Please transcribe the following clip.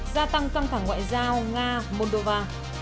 gia tăng căng thẳng ngoại giao nga moldova